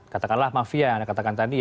katakanlah mafia yang anda katakan tadi